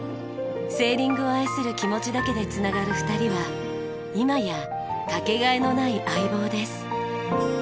セーリングを愛する気持ちだけで繋がる２人は今やかけがえのない相棒です。